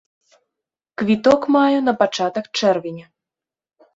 Квіток маю на пачатак чэрвеня.